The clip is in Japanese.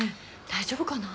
大丈夫かな。